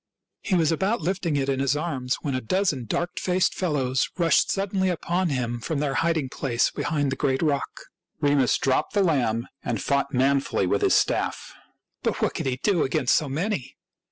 He was about lifting it in his arms, when a dozen dark faced fellows rushed suddenly upon him from their hiding place behind the great rock. Remus dropped the lamb and fought manfully with his staff. But what could he do against so many